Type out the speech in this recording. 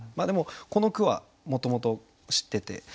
でもこの句はもともと知ってて。